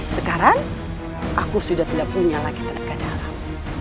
sekarang aku sudah tidak punya lagi tenaga dalam